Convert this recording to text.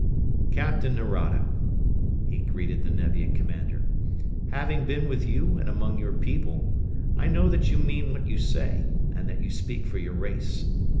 "Captain Nerado." he greeted the Nevian commander. "Having been with you and among your people, I know that you mean what you say and that you speak for your race.